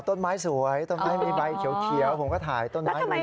ต้นไม้สวยต้นไม้มีใบเขียวผมก็ถ่ายต้นไม้ดู